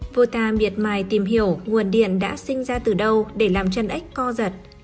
vota miệt mài tìm hiểu nguồn điện đã sinh ra từ đâu để làm chân ếch co giật